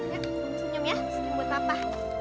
yuk senyum ya senyum buat papa